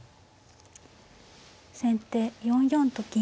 先手４四と金。